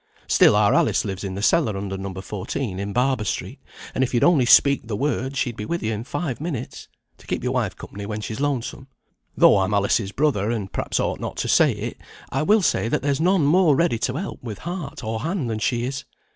"Still our Alice lives in the cellar under No. 14, in Barber Street, and if you'd only speak the word she'd be with you in five minutes, to keep your wife company when she's lonesome. Though I'm Alice's brother, and perhaps ought not to say it, I will say there's none more ready to help with heart or hand than she is.